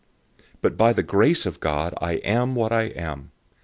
015:010 But by the grace of God I am what I am.